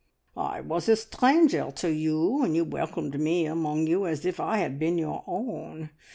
"I was a stranger to you, and you welcomed me among you as if I had been your own.